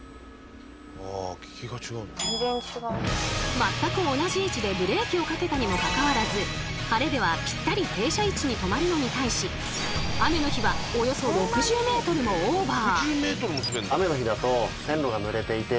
全く同じ位置でブレーキをかけたにもかかわらず晴れではぴったり停車位置に止まるのに対し雨の日はおよそ６０ｍもオーバー。